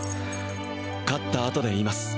勝ったあとで言います